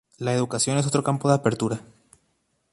La educación es otro campo de apertura.